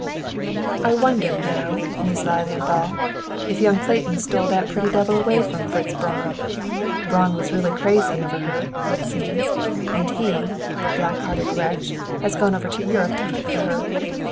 "I wonder, now," mused Lilienthal, "if young Clayton stole that pretty devil away from Fritz Braun! Braun was really crazy over her, it seems, and he, the black hearted wretch, has gone over to Europe to hunt for her.